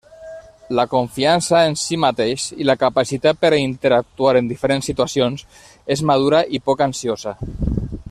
La confiança en si mateix i la capacitat per a interactuar en diferents situacions és madura i poc ansiosa.